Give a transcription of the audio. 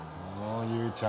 ゆうちゃん